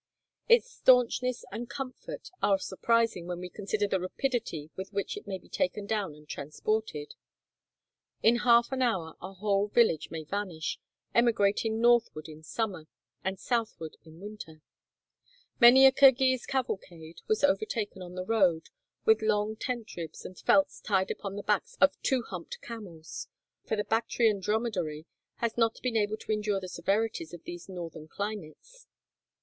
Its stanchness and comfort are surprising when we consider the rapidity with which it may be taken down and transported. In half an hour a whole village may vanish, emigrating northward in summer, and southward in winter. Many a Kirghiz cavalcade was overtaken on the road, with long tent ribs and felts tied upon the backs of two humped camels, for the Bactrian dromedary has not been able to endure the severities of these Northern climates.